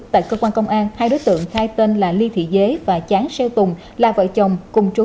tại cơ quan công an hai đối tượng khai tên là ly thị dế và cháng xeo tùng là vợ chồng cùng trú